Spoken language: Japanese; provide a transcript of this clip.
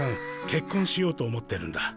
結婚しようと思ってるんだ。